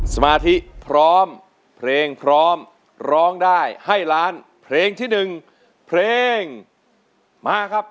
สมาธิพร้อมเพลงพร้อมร้องได้ให้ล้านเพลงที่๑เพลงมาครับ